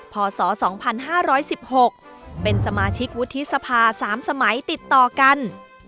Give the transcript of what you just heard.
พศ๒๕๑๖เป็นสมาชิกวุฒิสภา๓สมัยติดต่อกัน